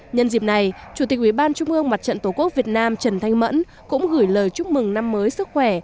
nhân dịp này chủ tịch ủy ban trung ương mặt trận tổ quốc việt nam trần thanh mẫn cũng gửi lời chúc mừng năm mới sức khỏe